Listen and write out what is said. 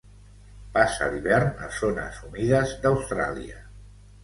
Passa l'hivern a zones humides d'Austràlia.